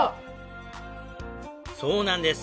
そうなんです。